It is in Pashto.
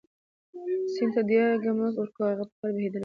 سیند ته دیکه مه ورکوه هغه په خپله بهېدلی شي.